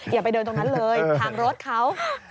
อย่าไปเดินตรงนั้นเลยทางรถเขา